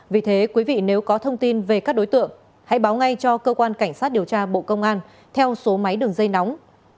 vì thế quý vị nếu có thông tin về các đối tượng hãy báo ngay cho cơ quan cảnh sát điều tra bộ công an theo số máy đường dây nóng sáu mươi chín hai trăm ba mươi bốn năm nghìn tám trăm sáu mươi